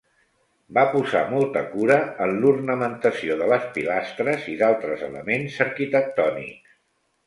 Va posar molta cura en l'ornamentació de les pilastres i d'altres elements arquitectònics.